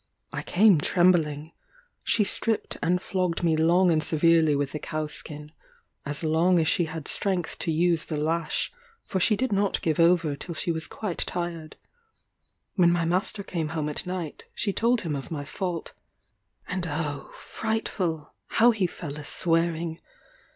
I came trembling; she stripped and flogged me long and severely with the cow skin; as long as she had strength to use the lash, for she did not give over till she was quite tired. When my master came home at night, she told him of my fault; and oh, frightful! how he fell a swearing.